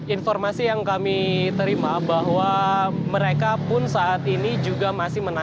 informasi yang kami terima bahwa mereka pun saat ini juga masih menanti